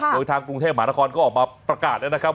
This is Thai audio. โดยทางกรุงเทพมหานครก็ออกมาประกาศแล้วนะครับ